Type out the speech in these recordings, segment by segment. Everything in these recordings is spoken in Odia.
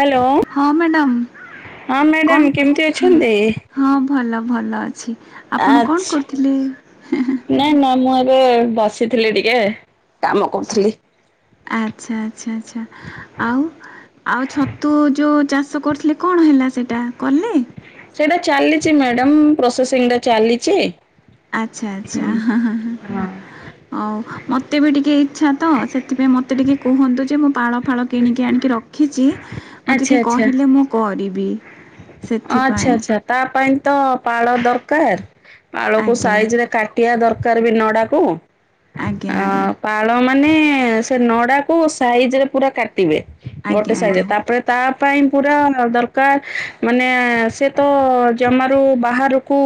ହ୍ୟାଲୋ ହଁ ହଁ ମ୍ୟାଡାମ ମ୍ୟାଡ଼ାମ କଣ କେମିତି ଅଛନ୍ତି? [unintelligible] ହଁ ଭଲ ଭଲ ଅଛି, ଆପଣ କଣ କରୁଥିଲେ? ନାଇ ମ୍ୟାମ ମୁଁ ଏବେ ବସିଥିଲି ଟିକେ କାମ କରୁଥିଲି। ଆଚ୍ଛା ଆଚ୍ଛା -ଆଚ୍ଛା ଆଉ ଆଉ ଛତୁ ଯୋଉ ଚାଷ କରୁଥିଲେ, କଣ ହେଲା ସେଇଟା କଲେ? ସେଇଟା ଚାଲିଛି ମ୍ୟାଡମ ପ୍ରୋସେସିଂଟା ଚାଲିଛି। ଆଚ୍ଛା ଆଚ୍ଛା ହ ହ ହ ହଉ ମତେ ମତେ ବି ଟିକେ ଇଚ୍ଛା ତ ସେଥିପାଇଁ ମତେ ଟିକେ କୁହନ୍ତୁ ଯେ ମୁଁ ପାଳ ଫାଳ କିଣିକି ଆଣିକି ରଖିଛି। ମତେ ଆଚ୍ଛା ଟିକେ ଆଚ୍ଛା। କହିଲେ ମୁଁ କରିବି। ହଁ ଆଚ୍ଛା ସେଥିପାଇଁ ଆଛା ତା ପାଇଁ ତ ପାଳ ଦରକାର, ପାଳକୁ ଆଜ୍ଞା ସାଇଜ ରେ କା ଟିଆ ଦରକାର ବି ନଡାକୁ। ଆଜ୍ଞା ଆ ଆଜ୍ଞା ପାଳ ମାନେ ସେ ନଡା କୁ ସାଇଜ ରେ ପୁରା କାଟିବେ ଆଜ୍ଞା ଗୋଟେ ସାଇଜରେ, ଆଜ୍ଞା ତାପରେ ତା ପାଇଁ ପୁରା ଦରକାର ମାନେ ସେ ତ ଜମାରୁ ବାହାରୁକୁ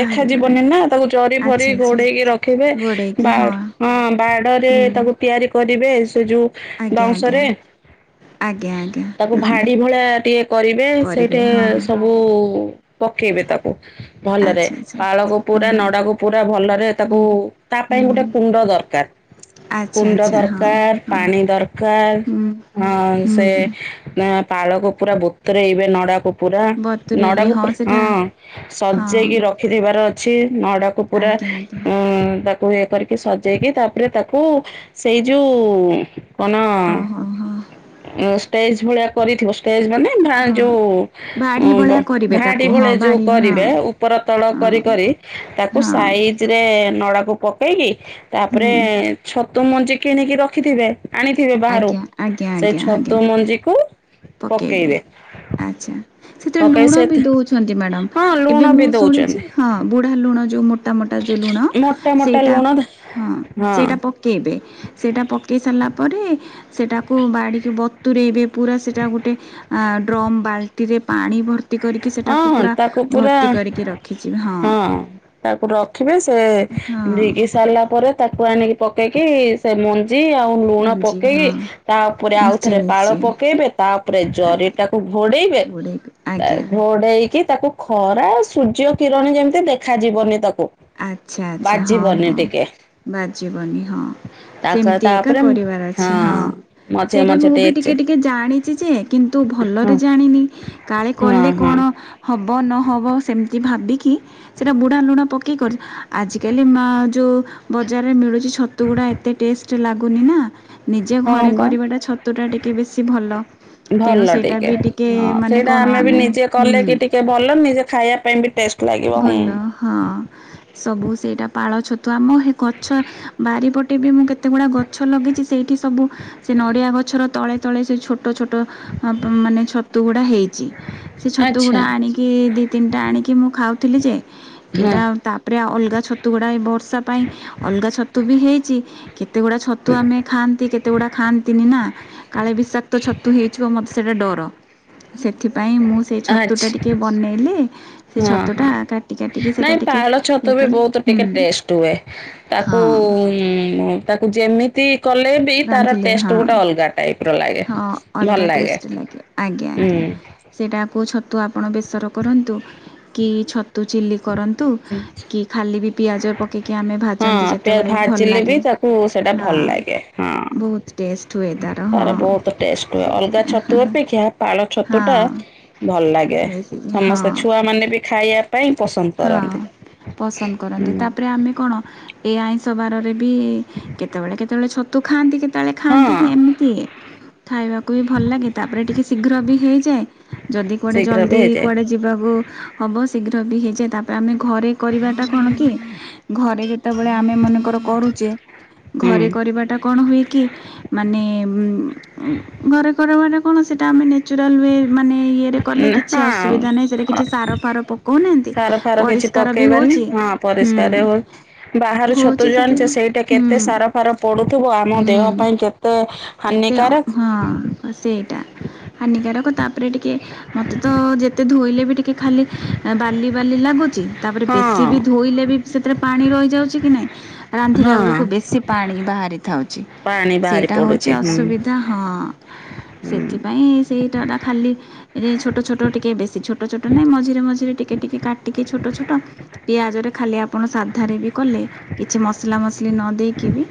ଦେଖା ଯିବନି ନା, ତାକୁ ଜରି ଫରି ଆଚ୍ଛା ଆଚ୍ଛା ଘୋଡେଇକି ରଖିବେ। ଗୋଡ଼େଇକି ହଁ ବାଡ ହଁ ବାଡରେ ହୁଁ ତାକୁ ତିଆରି କରିବେ ସେ ଯୋଉ ଆଜ୍ଞା ଆଜ୍ଞା। ଆଜ୍ଞା ହେଲା, ଆଜ୍ଞା ତାକୁ ହଁ ଭାଡି ଭଳିଆ ଟିକେ କରିବେ। କରିବେ ସେଇଠି ହଁ ସ ସବୁ ପକେଇବେ ତାକୁ। ଭଲରେ ଆଚ୍ଛା ପାାଳକୁ ଆଚ୍ଛା ପୁରା ହଁ ହଁ ନଡାକୁ ପୁରା ଭଲରେ ତାକୁ ହୁଁ ତା ପାଇଁ ଗୋଟେ ହୁଁ କୁଣ୍ଡ ଦରକାର। ଆଚ୍ଛା କୁଣ୍ଡ ଆଚ୍ଛା ହଁ ଦରକାର, ହଁ ପାଣି ଦରକାର। ହୁଁ ହଁ ସେ ହୁଁ ପାଳକୁ ପୁରା ବତୁରେଇବେ ନଡା କୁ। ପୁରା ବତୁରେଇବେ ନଡାକୁ ପ ସେଟା ହଁ ହଁ ସଜେଇକି ର ରଖିଦେବାର ଅଛି ନଡାକୁ ପୁରା ଆଜ୍ଞା ଆଜ୍ଞା ଉଁ ତା ପୁଣି ଇଏ କରିକି ସଜେଇକି ତାପରେ ତାକୁ ସେଇ ଯୋଉ କଣ ଓହୋ ହୋ ଷ୍ଟେଜ ଭଳିଆ କରିଥିବ ଷ୍ଟେଜ ମାନେ ହଁ ଯୋଉ ବାଢି ଭଳିଆ କରିବେ ତାକୁ ଭାଡି ହଁ ଭଳିଆ ଯୋଉ ବାଢି ହଁ କରିବେ ଉପର ତଳ ହଁ କରି କରି ତାକୁ ହଁ ସାଇ ଜି ରେ ନଡାକୁ ପକେଇକି, ତାପରେ ହୁଁ ଛତୁ ମଞ୍ଜି କିଣିକି ରଖିଥିବେ। ଆଣିଥିବେ ବାହାରୁ, ଆଜ୍ଞା ଆଜ୍ଞା ସେଇ ଆଜ୍ଞା ଆଜ୍ଞା ଛତୁ ମଞ୍ଜିକୁ ପକେଇବେ ଆଚ୍ଛା। ସେଥିରେ ପକେଇ ଲୁଣ ସେ ବି ଦଉଛନ୍ତି ମ୍ୟାଡ଼ାମ, ହଁ ଲୁଣ ଏବେ ବି ମୁଁ ଶୁଣିଛି ଦଉଚନ୍ତି ହଁ ବୁଢ଼ା ଲୁଣ ଯୋଉ ମୋ ମୋଟା ମୋଟା ଯୋଉ ଲୁଣ, ମୋଟା ମୋଟା ସେଇଟା ଲୁଣ ହଁ ସେଇଟା ପ ପକେଇବେ ସେଇଟା ପକାଇ ସାରିଲା ପରେ ସେଟାକୁ ବାଡ଼ିକୁ ବତୁରେଇବେ ପୁରା ସେ ସେଇଟା ଗୋଟେ ଡ୍ରମ ବାଲିଟ ରେ ପାଣି ଭର ଭର୍ତ୍ତି କରିକି ସେଇଟାକୁ ହଁ ପୁରା ତାକୁ ଭର୍ତ୍ତି ପୁରା କରିକି ରଖିଛିିବା ହଁ। ତାକୁ ରଖିବେ, ସେ ହଁ ଭିଗି ସାରିଲା ପରେ ତାକୁ ଆଣିକି ପକେଇକି ସେ ମନ୍ ଜି ଆଉ ଲୁଣ ମଞ୍ଜି ପକେଇ ହଁ ତା ଉପରେ ଆଉ ନିଶ୍ଚୟ ଥରେ ପାଳ ନିଶ୍ଚୟ ପକେଇବେ ତାପରେ ଜରି ଆଜ୍ଞା ଟାକୁ ଘୋଡେଇବେ। ଗୋଡ଼େଇକି ଆଜ୍ଞା [unintelligible] ଘୋଡେଇକି ତାକୁ ଖରା ସୂର୍ଯ୍ୟ କିରଣ ଯେମିତି ଦେଖାଯିବନି ତାକୁ। ଆଚ୍ଛା ଆଚ୍ଛା ହଁ ବାଜିବନି ହଁ ଟିକେ ବାଜିବନି ହଁ। ତାକ ସେମ୍ ତି ଏକା ତାପରେ କରିବାର ଅଛି ହଁ ମଝିରେ ସେଇଟା ମଝିରେ ମୁଁ ବି ଚେ ଟିକେ ଟିକେ ଜାଣିଛି ଯେ କିନ୍ତୁ ହଁ ଭଲରେ ଜାଣିନି। କାଳେ ହଁ କଲେ ହଁ କଣ ହବ ନହବ ସେମିତି ଭାବିକି ସେଟା ବୁଢା ଲୁଣ ପ କି କରି ଆଜିକାଲି ମା ଯୋଉ ବଜାରରେ ମିଳୁଛି ଛତୁଗୁଡ଼ା ଏତେ ଟେଷ୍ଟ ଲାଗୁନି ନା ନିଜେ ହଁ ଘରେ ବା କରିବାଟା ଛତୁ ଟା ଟିକେ ବେଶୀ ଭଲ। ତେଣୁ ଭଲ ସେଇଟା ଟିକେ ବି ହଁ ମାନେ ସେଇଟା କଣ ଆମେ ବି ନିଜେ କଲେ ହୁଁ। କି ଟିକେ ଭଲ ନିଜେ ଖାଇଆ [unintelligible] ଭଲ। ହଁ, ସବୁ ସେଇଟା ପାଳ ଛତୁ ଆମ ହେ ଗଛ ବାରିପଟେ ବି ମୁଁ କେ କେତେ ଗୁଡା ଗଛ ଲଗେଇଛି ସେଇଠି ସବୁ ସେ ନଡିଆ ଗଛର ତଳେ ତଳେ ସେ ଛୋ ଛୋଟ ଛୋଟ ଅପ୍ ମାନେ ଛତୁ ଗୁଡା ହେଇଛି। ସେ ଛତୁ ଆଚ୍ଛା ଗୁଡା ଆଣି କି ଦିଇ ତିନିଟା ଆଣିକି ମୁଁ ଖାଉଥିଲି ଯେ ହଁ କେଇଟା ତା ତାପରେ ଅଲଗା ଛତୁ ଗୁଡ଼ା ଏ ବର୍ଷା ପାଇଁ ଅଲଗା ଛତୁ ବି ହେଇଛି। କେତେ ଗୁଡା ଛତୁ ଆମେ ଖାଆନ୍ତି, କେତେ ଗୁଡା ଖାଆନ୍ତିନି ନା। କାଳେ ବିଷାକ୍ତ ଛତୁ ହେଇଛିବ ମତେ ସେଇଟା ଡର। ସେଥିପାଇଁ ମୁଁ ସେଇ ଛତୁଟା ଆଚ୍ଛା ଟିକେ ବନେଇଲି ସେ ଛ ହଁ ନାଇଁ ପାଳ ଛତୁ ଇଏ ବି କଲି ବହୁତ ଟିକେ ହୁଁ ଟେଷ୍ଟ ହୁଏ। ତାକୁ ହଁ ତାକୁ ଯେମିତି କଲେ ବି ତାର ରାନ୍ଧିଲେ ହଁ ଟେଷ୍ଟ ଗୋଟେ ଅଲଗା ଟାଇପିର ଲାଗେ ହଁ ଭଲ ଅଲଗା ଲାଗେ। ଟେଷ୍ଟ ଆଜ୍ଞା ଉଁ। ଆଜ୍ଞା ସେଇଟାକୁ ଛତୁ ଆପଣ ବେସର କରନ୍ତୁ, କି ଛ ତୁ ଚିଲି କରନ୍ତୁ, କି ଖାଲି ବି ପିଆଜ ପକେଇକି ଭାଜନ୍ତି ଯେତେବେଳେ ଭଲ ହେଲେବି ଲାଗେ ତାକୁ ସେଟା ଭଲ ହଁ ଲାଗେ। ହଁ। ବହୁତ ଟେଷ୍ଟ ହୁଏ ତାର ହଁ ବହୁତ ଟେଷ୍ଟ ହୁଏ, ସେଇଟା ଅଲଗା ଛତୁ ଅପେକ୍ଷା ପାଳ ଛତୁ ହଁ ଟା ଭଲ ଲାଗେ। ସମସ୍ତେ ହଁ ଛୁଆ ମାନେ ବି ଖାଇଆ ପାଇଁ ପସନ୍ଦ ହଁ, କରନ୍ତି। ପସନ୍ଦ ହୁଁ କରନ୍ତି। ତାପରେ ଆମେ କଣ ଏଇ ଆଇଁଷ ବାରରେ ବି କେତେବେଳେ କେତେବେଳେ ଛତୁ ଖାଆନ୍ତି, କେତେବେଳେ ହଁ ଖାଆନ୍ତିନି ଏମିତି। ଖାଇବାକୁ ବି ଭଲ ଲାଗେ, ତାପରେ ଟିକେ ଶୀଘ୍ର ବି ହେଇଯାଏ। ଯଦି କୁଆଡ଼େ ଶୀଘ୍ର ବି ଜଲ୍ଦି ହେଇଯାଏ କୁଆଡ଼େ ଯିବାକୁ ହବ ଶୀଘ୍ର ବି ହେଇଯାଏ, ତାପରେ ଆମେ ଘରେ କରିବାଟା କଣ କି ଘରେ ଯେତେବେଳେ ଆମେ ମନେକର କରୁଚେ ଘରେ ହୁଁ। କରିବାଟା କଣ ହୁଏ କି ମାନେ ଉଁ ଉଁ ଘରେ କରେଇବାଟା କଣ ସେଟା ଆମେ ନି ନେଚୁରାଲ ୱେ ମାନେ ଇଏରେ କଲେ କିଛି ଅସୁବିଧା ନାହିଁ, ସେଇଟା ହଁ କିଛି ସାର ଫାର ପକାଉନାହାଁନ୍ତି। ସାର ଫାର କିଛି ପକେଇବାନି। ହଁ, ହୁଁ ପରିଷ୍କାରେ ହଉ ବାହାରୁ ଛତୁ ହଉଛି ଯୋଉ ସେତେ ଆଣିଛେ ସେଇଟା କେତେ ହୁଁ ସାର ଫାର ପଡୁଥିବ ଆମ ହୁଁ ଦେହ ପାଇଁ କେତେ କେତେ ହାନିକାରକ୍। ହଁ ସେଇଟା ହାନିକାରକ ତାପରେ ଟିକେ ମତେ ତ ଯେତେ ଧୋଇଲେ ବି ଟି ତୀ ଖାଲି ବାଲିବାଲି ଲାଗୁଚି ତାପରେ ବେଶି ବି ହଁ ଧୋ ବୋହିଲେ ବି ସେଥିରେ ପାଣି ରହିଯାଉଛି କି ନାହିଁ ରାନ୍ଧିଲା ହଁ ବେଳକୁ ବେଶୀ ପାଣି ବାହାରେ। ଥାଉଛି ପାଣି ବାହାରି ସେଇଟା ହେଉଛି ପଡୁଛି ହୁଁ। ଅସୁବିଧା ହଁ ହୁଁ ସେଥିପାଇଁ ସେଇଟା ଟା ଖାଲି ରେ ଛୋଟ ଛୋଟ ଟିକେ ବେଶୀ ଛୋଟ ଛୋଟ ନାଇଁ ମଝିରେ ମଝିରେ ଟିକେ। ଟିକେ କାଟିକି ଛୋଟ ଛୋଟ ପିଆଜରେ ଖାଲି ଆପଣ ସାଧାରେ ବି କଲେ କିଛି ମସଲା ମସଲି ନ ଦେଇକି ବି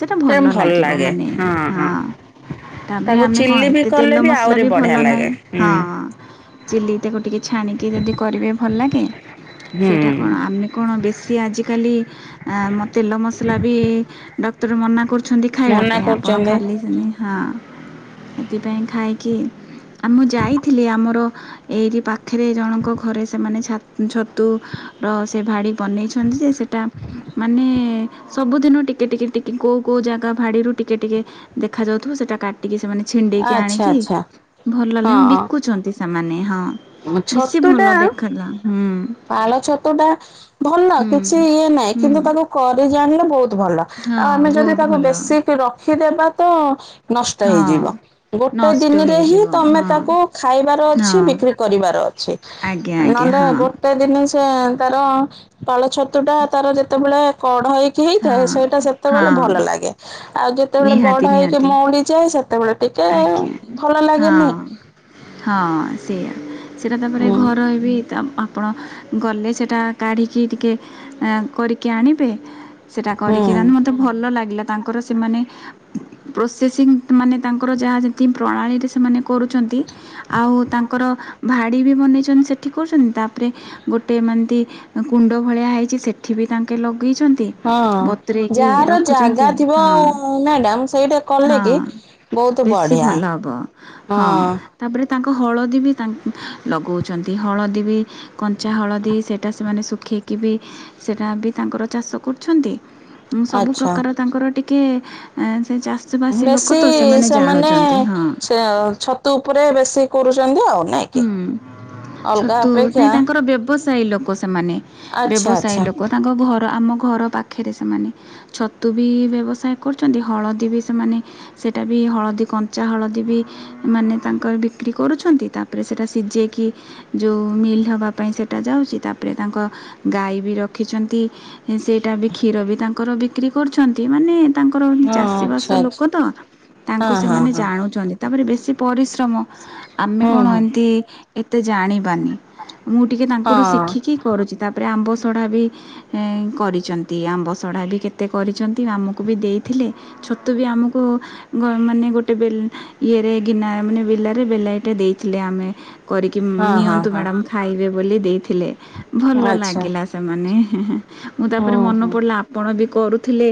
ସେଇଟା ଭଲ ଲାଗିବ ମାନେ ହଁ। ତାପରେ ତାକୁ ଆମେ କଣ ଚିଲି ବି ଏତେ କଲେ ତେଲ ମସଲା ଆହୁରି ବି ବଢିଆ ଭଲ ଲାଗେ ନାହିଁ ହୁଁ ହଁ ହଁ। ଚିଲିଟାକୁ ଟିକେ ଛାଣିକି ଯଦି କରିବେ ଭଲ ଲାଗେ ହୁଁ। ସେଟା କଣ ଆମେ। କଣ ବେଶୀ ଆଜିକାଲି ଆଁ ମୋ ତେଲ ମସଲା ବି ଡକ୍ଟର ମନା କ ରିଛନ୍ତି ଖାଇବା ମନା ପାଇଁ ଆପଣ କରୁଛନ୍ତି ଖାଲି ହଁ ସେଥିପାଇଁ ଖାଇକି। ଆ ମୁଁ ଯାଇଥିଲି ଆମର ଏଇଠି ପାଖରେ ଜଣଙ୍କ ଘରେ ସେମାନେ ଛା ଛତୁର ସେ ଭାଡ଼ି ବନେଇଛନ୍ତି ଯେ ସେଇଟା ମାନେ ସବୁଦିନ ଟିକେ ଟିକେ କୋଉ କୋଉ ଜାଗା ଭାଡିରୁ ଟିକେ ଟିକେ ଦେଖାଯ ଯାଉଥିବ ସେଇଟା କାଟି ଟିକେ ସେମାନେ ଛିଣ୍ଡେଇକି ଆଚ୍ଛା ଆଣିକି ଆଚ୍ଛା ଭଲ ଲାଗେ ହଁ ବିକୁଛନ୍ତି ସେମାନେ ହଁ। ବେଶୀ ଛତୁ ଟା ଭଲ ଦେଖଲା ହୁଁ ପାଳ ଛତୁ ଟା ଭଲ ହୁଁ କିଛି ଇଏ ନାହିଁ ହୁଁ କିନ୍ତୁ ତାକୁ କରି ଜାଣିଲେ ବହୁତ ଭଲ। ହଁ ଆମେ ଯଦି ବହୁତ ତାକୁ ଭଲ ବେଶୀ ରଖିଦବା ତ ନଷ୍ଟ ହଁ। ହେଇଯିବ। ଗୋଟେ ନଷ୍ଟ ଦିନରେ ହିଁ ହେଇଯିବ ତମେ ହଁ ତାକୁ ଖାଇବାର ଅଛି ହଁ ବିକ୍ରି କରିବାର ଅଛି। ଆଜ୍ଞା ଆଜ୍ଞା ନହେଲେ ହଁ। ଗୋଟେ ଦିନ ସେ ତାର ପାଳ ଛତୁ ଟା ତାର ଯେତେବେଳେ କଢ଼ ହେ ହେଇଥାଏ ହଁ ସେଇଟା ସେତେବେଳେ ହଁ ଭଲ ଲାଗେ ଆଉ ଯେତେବେଳେ ନିହାତି ବଡା ହେଇକି ନିହାତି ମଉଡିଯାଏ ସେତେବେଳେ ଟିକେ ଆଜ୍ଞା। ଭଲ ଲାଗେନି। ହଁ ହଁ ସେଇଆ ସେଟା ତାପରେ ହୁଁ ଘର ହେବି ଆପଣ ଗଲେ ସେଇଟା କାଢ଼ିକି ଟିକେ କରିକି ଆଣିବେ ସେଟା କରିକି ହୁଁ। ରାଧୁ ମତେ ଭଲ ଲାଗିଲା ତାଙ୍କର ସେମାନେ ପ୍ରୋସେସିଂ ମାନେ ତାଙ୍କର ଯାହା ଯେମତି ପ୍ରଣାଳୀରେ ସେମାନେ କରୁଛନ୍ତି। ଆଉ ତାଙ୍କର ଭାଡି ବି ବନେଇଛନ୍ତି ସେଠି କରୁଛନ୍ତି ତାରେ ଗୋଟେ ମାନେ ଏମିତି କୁଣ୍ଡ ଭଳିଆ ହେଇଛି ସେଠିବି ତାଙ୍କେ ଲଗେଇଛନ୍ତି ହଁ ବତୁରୋଇକି ଯାହାର ଜାଗା ରଖୁଛନ୍ତି ଥିବ ହଁ। ମ୍ୟାଡାମ ସେଇଟା କଲେ ହଁ କି? ବହୁତ ବେଶୀ ବଢିଆ ଭଲ ହେବ ହଁ। ତା ପରେ ତାଙ୍କ ହଳଦୀ ବି ତା ଲଗାଉଛନ୍ତି ହଳଦୀ ବି କଞ୍ଚା ହଳଦୀ ସେଇଟା ସେମାନେ ଶୁଖେଇକି ବି ସେଇଟା ବି ତାଙ୍କର ଚାଷ କରୁଛନ୍ତି। ସବୁ ଆଚ୍ଛା ପ୍ରକାର ତାଙ୍କର ଟିକିଏ ସେ ଚାଷବାସି ଲୋକ ବେଶୀ ତ ସେମାନେ ଜାଣୁଛନ୍ତି ହଁ ସେ ଛତୁ ଉପରେ ବେଶୀ କରୁଛନ୍ତି ଆଉ ନାଇଁ ଓେ। ହୁଁ ଛତୁ ନାଇଁ ତାଙ୍କର ବ୍ୟବସାୟୀ ଲୋକ ସେମାନେ। ଆଚ୍ଛା ବ୍ୟବସାୟୀ ଆଚ୍ଛା ଲୋକ ତାଙ୍କ ଘର ଆମ ଘର ପାଖରେ ସେମାନେ ଛତୁ ବି ବ୍ୟବସାୟ କରୁଛନ୍ତି ହଳଦୀ ବି ସେମାନେ ସେଇଟା ବି ହଳଦୀ କଞ୍ଚା ହଳଦୀ ବି ମାନେ ତାଙ୍କର ବିକ୍ରି କରୁଛନ୍ତି ତା ତାପରେ ସେଟା ସିଝେଇକି ଯେଉଁ ମିଲ୍ ହେବା ପାଇଁ ସେଇଟା ଯାଉଛି ତାପରେ ତାଙ୍କ ଗାଈ ବି ରଖିଛନ୍ତି ସେଇଟା ବି କ୍ଷୀର ବି ତାଙ୍କର ବିକ୍ରି କରୁଛନ୍ତି ମାନେ ର ହଁ ଚାଷବାସ ଲୋକ ତା ଆଚ୍ଛା ଆଚ୍ଛା ସେମାନେ ହଁ ହଁ ହଁ ଜାଣୁଛନ୍ତି ତାରେ ବେଶୀ ପରି ସ୍ରମ ଆମେ ହୁଁ କଣ ହୁଁ ଏମତି ଏତେ ଜାଣିବାନି ମୁଁ ଟିକେ ହଁ ତାଙ୍କଠୁ ଶିଖିକି କରୁଛି ତାପରେ ଆମ୍ବ ସଢ଼ା ବି କରିଛନ୍ତି ଆମ୍ବଶଢ଼ା ବି କେତେ କରିଛନ୍ତି ଆମକୁ ବି ଦେଇଥିଲେ ଛତୁ ବି ଆମକୁ ଘ ମାନେ ଗୋଟେ ବେ ଇଏରେ ଗିନା ମାନେ ବେଲାରେ ବେଲାଏଟେ ଦେଇ ଥିଲେ ଆମେ କରିକି ହଁ ହଁ ନିଅନ୍ତୁ ହଁ ମ୍ୟାଡ଼ାମ ଖାଇବେ ବୋଲି ଦେଇଥିଲେ ଭଲ ଆଚ୍ଛା ଲାଗିଲା। ସେମାନେ ହେଁ ହେଁ ମୁଁ ତାପରେ ହୁଁ ମନ ହୁଁ ପଡିଲା ଆ ପଣ ବି କରୁଥିଲେ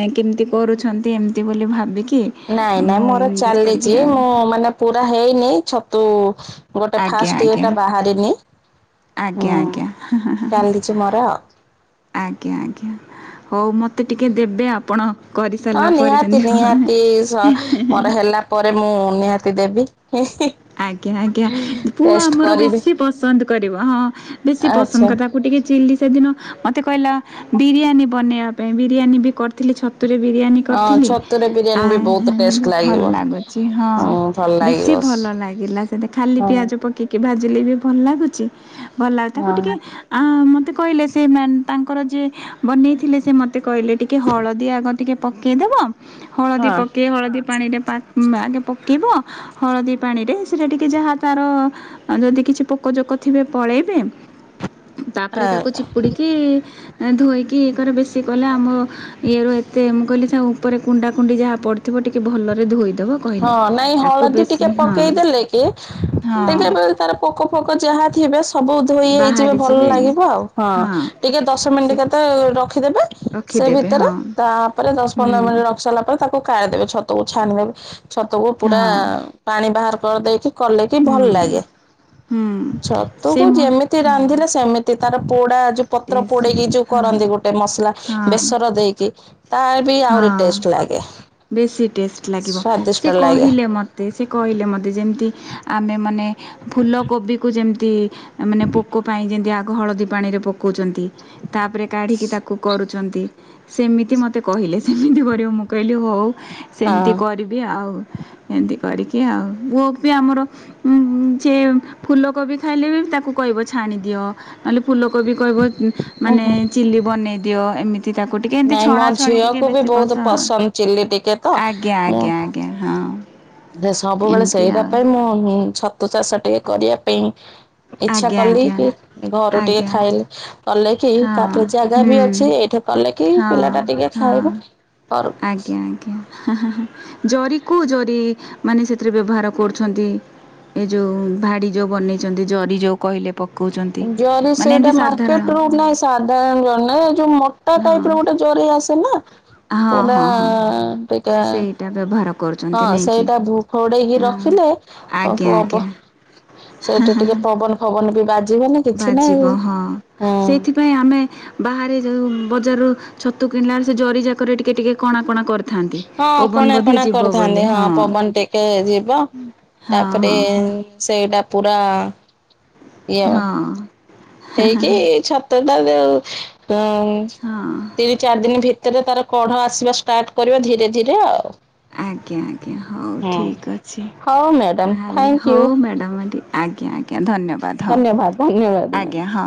ଏ କେମିତି କରୁଛନ୍ତି ଏମିତି ବୋଲି ଭାବିକି ନାଇଁ ନାଇଁ ମୁଁ ମୋର ଇଏ କଲି ଚାଲିଚି ଆଉ ମୁଁ ମାନେ ପୁରା ହେଇନି ଛତୁ ଗୋଟେ ଆଜ୍ଞା ଫାଷ୍ଟ ଆଜ୍ଞା ଇଏଟା ବାହାରିନି। ଆଜ୍ଞା ହୁଁ ଆଜ୍ଞା ହଁ ହଁ ହଁ। ଚାଲିଛି ମୋର ଆଉ। ଆଜ୍ଞା ଆଜ୍ଞା ହଉ ମତେ ଟିକେ ଦେବେ ଆପଣ ହଁ କରିସାରିଲା ପରେ ନିହାତି ନିହାତି ଯେମିତି ସ ମୋର ହେଲା ପରେ ମୁଁ ନିହାତି ଦେବି ହିଁ ହିଁ। ଆଜ୍ଞା ଆଜ୍ଞା ପୁଅ ଆମର କରିବି ବେଶୀ ପସନ୍ଦ କରିବ ହଁ ବେଶୀ ପସନ୍ଦ ଆଚ୍ଛା କରି ତାକୁ ଟିକେ ଚିଲି ସେଦିନ ମତେ କହିଲା ବିରିୟାନୀ ବନେଇବା ପାଇଁ ବିରିୟାନୀ ବି କରିଥିଲି ଛ ତୁ ରେ ବିରିୟାନୀ ହଁ କରିଥିଲି ଛତୁରେ ଆ ବିରିୟାନୀ ବି ବହୁତ ଟେଷ୍ଟ ଭଲ ଲାଗିବ। ଲାଗୁଚି ହଁ। ଭଲ ଲାଗିବସ୍ ପିଲା ସେତେ ଖାଲି ପିଆଜ ପକେଇକି ଭାଜିଲେ ବି ଭଲ ଲାଗୁଚି ଭଲ ଲାଗୁଚି ତାକୁ ଟିକେ ହଁ ଆ ମତେ କହିଲେ ସେ ମ୍ୟାନ୍ ତାଙ୍କର ଯିଏ ବନେଇଥିଲେ ସେ ମତେ କହିଲେ ଟିକେ ହଳଦୀ ଆଗ ଟିକେ ପକେଇଦବ ହଳଦୀ ପକେଇ ହଳଦୀ ପାଣିରେ ପା ଉଁ ଆଗେ ପକେଇବ ହଳଦୀ ପାଣିରେ ସେଥିରେ ଟିକେ ଯାହା ତାର ଯଦି କିଛି ପୋକ ଜୋକ ଥିବେ ପଳେଇବେ। ତାପରେ ତାକୁ ହଁ। ଚିପୁଡିକି ଧୋଇକି ଇ କର ବେଶୀ କଲେ ଆମ ଇଏ ର ଏତେ ମୁଁ କଇଲି ଥାଉ ଉପରେ କୁଣ୍ଡା କୁଣ୍ଡି ଯାହା ପଡିଥିବ ଟିକେ ଭଲରେ ଧୋଇ ଦେବ ହଁ କହିଲେ ତାକୁ ବେଶୀ ହଁ ତୁ [unintelligible] ହଁ ବେଳେ ତାର ପୋକ ଫୋକ ଯାହା ଥିବେ ସବୁ ଧୋଇ ହେଇଯିବେ ବାହାରି ଭଲ ଯିବେ ଲାଗିବ ଆଉ। ହଁ ଟିକେ ଦଶ ମିନିଟ ସେ କେତେ ରଖିଦେବେ ସେ ରଖିଦେବେ ଭିତରେ ହଁ ତା ପରେ ଦଶ ହୁଁ ପନ୍ଦର ମିନିଟ୍ ରଖି ସାରିଲା ପରେ ତାକୁ କାରି ଦେବେ ଛ ଛତକୁ ଛାଣିିଦେବି ଛତୁକୁ ପୁରା ହଁ ପାଣି ବାହାର କରିଦେଇକି କଲେ କି ହୁଁ ଭଲ ଲାଗେ ହୁଁ ସେ ଛତୁକୁ ମ ଯେମିତି ହଁ ରାନ୍ଧିଲେ ସେମି ତି ତାର ପୋଡା ଯୋଉ ପତ୍ର ପୋଡେଇକି ଯୋଉ ହଁ କରନ୍ତି ଗୋଟେ ମସଲା ହଁ ବେସର ଦେଇକି ତା ବି ଆହୁରି ହଁ ଟେଷ୍ଟ ଲାଗେ। ବେଶୀ ଟେଷ୍ଟ ଲାଗିବ ସ୍ଵାଦିଷ୍ଟ ସେ ଲାଗେ କହିଲେ ମୋତେ ସେ କହିଲେ ମୋତେ ଯେମିତି ଆମେ ମାନେ ଫୁଲ କୋବି କୁ ଯେମିତି ମାନେ ପୋକ ପାଇଁ ଯେମିତି ଆଗ ହଳଦୀ ପାଣିରେ ପକଉଚନ୍ତି। ତାପରେ କାଢିକି ତାକୁ କରୁଚନ୍ତି ସେମିତି ମତେ କହିଲେ ସେମିତି କରିବ ମୁଁ କହି ଲି ହଉ ସେମିତି ହଁ। କରିବି ଆଉ ଏମିତି କରିକି ଆଉ [unintelligible] ପି ଆମର ଉଁ ଯେ ଫୁଲକୋବି ଖାଇଲେ ବି ତାକୁ କହିବ ଛାଣିଦିଅ। ନହେଲେ ଫୁଲକୋବି କହିବ ମାନେ ଓହୋ ଚିଲି ବନେଇ ଦିଅ ଏମି ତି ତାକୁ ଟିକେ ଏମିତି ଛଣାଛଣି ଟିକେ ବେଶୀ ପସନ୍ଦ। ଚିଲ୍ଲି ଟିକେ ତ ଆଜ୍ଞା ଆଜ୍ଞା ଆଜ୍ଞା ହଁ। ଦେ ସବୁବେଳେ ଏମିତି ସେଇଟା ଆଉ ପାଇଁ ମୁଁ ଛତୁ ଚାଷ ଟିକେ କରିବା ପାଇଁ ଇଚ୍ଛା ଆଜ୍ଞା କଲି ଆଜ୍ଞା କି ଘରୁ ଟିକେ ଆଜ୍ଞା ଖାଇଲି କଲେ କି ହଁ ତାପରେ ଜାଗା ହୁଁ ବି ଅଛି ଏଇଠେ କଲେ କି ହଁ ପିଲା ଟା ଟିକେ ହଁ ଖାଇବ ତରୁ ଆଜ୍ଞା ଆଜ୍ଞା ହେଁ ହେଁ ଜରି କୁ ଜରି ମାନେ ସେଥିରେ ବ୍ୟବହାର କରୁଛନ୍ତି? ଏ ଯୋଉ ଭାଡ଼ି ଯଉ ବନେଇଚନ୍ତି ଜରି ଯଉ କହିଲେ ପକଉଚନ୍ତି ମାନେ ଏମିତି ସାଧାରଣ [unintelligible] ତା ହଁ ଟାଇପ ର ଗୋଟେ ଜୋରି ଆସେନା ହଁ ପୁରା ହଁ ହଁ ଦେଖ ସେଇଟା ବ୍ୟବହାର ହଁ କରୁଛନ୍ତି ନେଇକି ସେଇଟା ଭୁ ଫୋଡେଇକି ହଁ ରଖିଲେ ଆଜ୍ଞା ଫପୁ ହବ। ଆଜ୍ଞା ସେଇଠି ଟିକେ ପବନ ଫବନ ବି ବାଜିବନି। କିଛି ନାହିଁ। ବାଜିବ ହଁ ହଁ। ସେଥି ପାଇଁ ଆମେ ବାହାରେ ଯଉ ବଜାରରୁ ଛତୁ କିଣିଲା ବେଳେ ସେ ଜରିଯାକରେ ଟିକେ ଟିକେ କଣା କଣା କରି ହଁ କଣା କଣା କରିଥାନ୍ତି ହଁ ପବନ ଟିକେ ଯିବ ହଁ ତାପରେ ହଁ ହଁ ସେଇଟା ପୁରା। ହଁ ଦେଇକି ଛତୁ ଟା ଯଉ ହଁ ତିନି ଚାରି ଦିନ ଭିତରେ ତାର କଢ ଆସିବା ଷ୍ଟାର୍ଟ କରିବ ଧୀରେ ଧୀରେ ଆଉ। ଆଜ୍ଞା ଆଜ୍ଞା ହଉ ହୁଁ। ଠିକ୍ ଅଛି ହଉ ମ୍ୟାଡ଼ାମ ତାହେଲେ ଥ୍ୟାଙ୍କ ୟୁ ହଉ ମ୍ୟାଡ଼ାମ ଏଠ ଆଜ୍ଞା ଆଜ୍ଞା ଧନ୍ୟବାଦ। ହଁ ଧନ୍ୟବାଦ ଧନ୍ୟବାଦ। ମ୍ୟାଡ଼ାମ। ଆଜ୍ଞା ହଁ